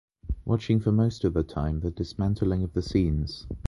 Watching for most of the time the dismantling of the scenes.